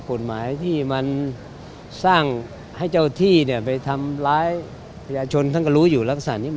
กฎหมายที่มันที่จะสร้างให้เจ้าที่ไปทำร้ายวัชชนทั้งลูกอยู่ลักษณะที่